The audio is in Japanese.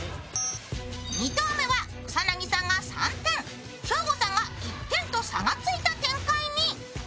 ２投目は草薙さんが３点、ショーゴさんが１点と差がついた展開に。